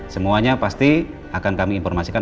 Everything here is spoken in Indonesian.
semuanya pasti akan kami informasikan